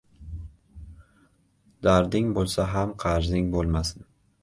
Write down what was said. Darding bo‘lsa ham qarzing bo‘lmasin...